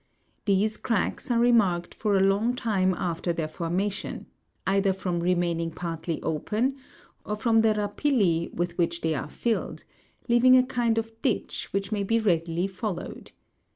These cracks are remarked for a long time after their formation, either from remaining partly open, or from the rapilli with which they are filled, leaving a kind of ditch, which may be readily followed.